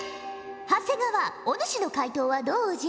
長谷川お主の解答はどうじゃ？